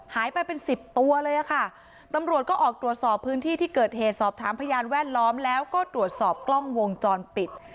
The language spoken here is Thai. ไปเป็นสิบตัวเลยค่ะตำรวจก็ออกตรวจสอบพื้นที่ที่เกิดเหตุสอบถามพยานแวดล้อมแล้วก็ตรวจสอบกล้องวงจรปิด